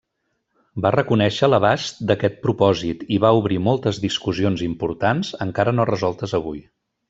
Va reconèixer l'abast d'aquest propòsit i va obrir moltes discussions importants encara no resoltes avui.